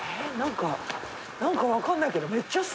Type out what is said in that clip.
なんかわかんないけど。